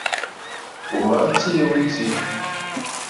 Ò màá tíyɛ́ wítí.